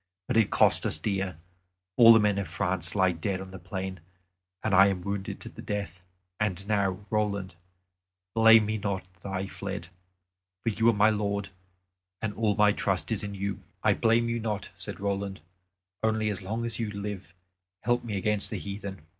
But it cost us dear; all the men of France lie dead on the plain, and I am wounded to the death. And now, Roland, blame me not that I fled; for you are my lord, and all my trust is in you." "I blame you not," said Roland, "only as long as you live help me against the heathen."